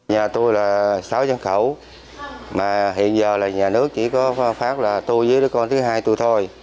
nhà tôi là sáu nhân khẩu mà hiện giờ là nhà nước chỉ có phát là tôi với đứa con thứ hai tôi thôi